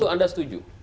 itu anda setuju